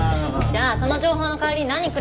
じゃあその情報の代わりに何くれるの？